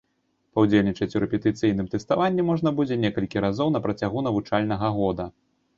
Паўдзельнічаць у рэпетыцыйным тэставанні можна будзе некалькі разоў на працягу навучальнага года.